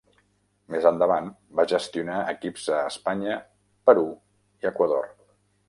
Més endavant, va gestionar equips a Espanya, Perú i Equador.